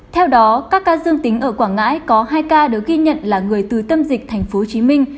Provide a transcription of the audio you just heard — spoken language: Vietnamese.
theo đó các ca dương tính ở quảng ngãi có hai ca được ghi nhận là người từ tâm dịch thành phố hồ chí minh